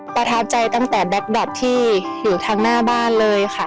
ประทับใจตั้งแต่แก๊แบตที่อยู่ทางหน้าบ้านเลยค่ะ